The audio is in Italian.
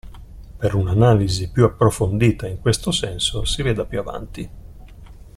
Per un'analisi più approfondita in questo senso si veda più avanti.